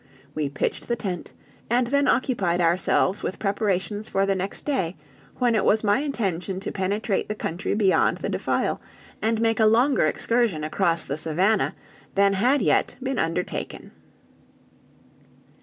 We pitched the tent, and then occupied ourselves with preparations for the next day, when it was my intention to penetrate the country beyond the defile, and make a longer excursion across the Savannah than had yet been undertaken.